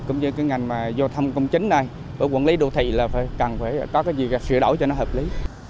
cũng như cái ngành mà vô thăm công chính này ở quận lý độ thị là cần phải có cái gì sửa đổi cho nó hợp lý